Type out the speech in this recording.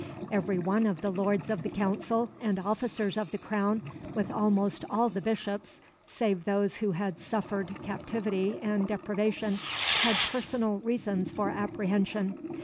Every one of the Lords of the Council and officers of the Crown, with almost all the Bishops, save those who had suffered captivity and deprivation, had personal reasons for apprehension.